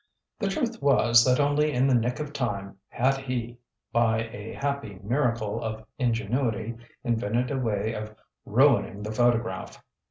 The truth was that only in the nick of time had he, by a happy miracle of ingenuity, invented a way of ruining the photograph.